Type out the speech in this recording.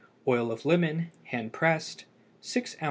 Oil of lemon (hand pressed) 6 oz.